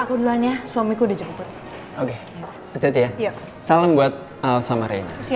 udah suamiku udah jemput oke betet ya iya salam buat elsa marenya siang hehehe hehehe